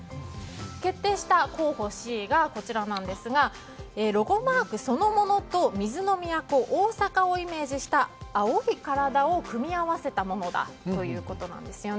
決定した候補Ｃがこちらですがロゴマークそのものと水の都・大阪をイメージした青い体を組み合わせたものだということです。